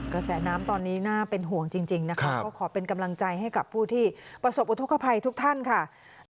กระแสน้ำตอนนี้น่าเป็นห่วงจริงนะคะก็ขอเป็นกำลังใจให้กับผู้ที่ประสบอุทธกภัยทุกท่านค่ะ